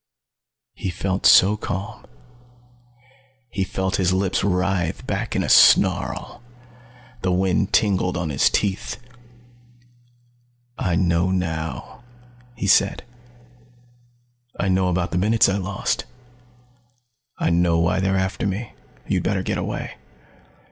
He felt so calm. He felt his lips writhe back in a snarl. The wind tingled on his teeth. "I know now," he said. "I know about the minutes I lost. I know why they're after me. You'd better get away."